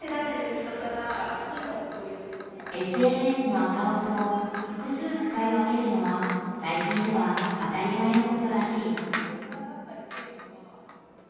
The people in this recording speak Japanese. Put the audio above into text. ＳＮＳのアカウントを複数使い分けるのは最近では当たり前のことらしい。